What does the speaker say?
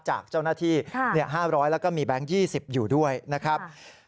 จากเจ้าหน้าที่๕๐๐แล้วก็มีแบงค์๒๐อยู่ด้วยนะครับ